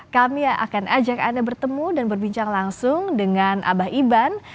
kami akan ajak anda bertemu dan berbincang langsung dengan abah iban